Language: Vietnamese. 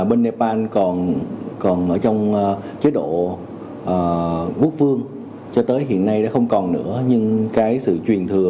bên nepal còn ở trong chế độ quốc vương cho tới hiện nay đã không còn nữa nhưng cái sự truyền thừa